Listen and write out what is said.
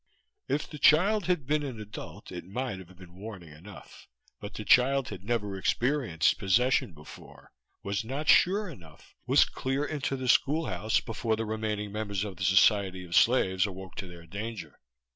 If the child had been an adult it might have been warning enough. But the child had never experienced possession before, was not sure enough, was clear into the schoolhouse before the remaining members of the Society of Slaves awoke to their danger.